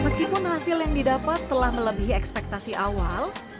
meskipun hasil yang didapat telah melebihi ekspektasi awal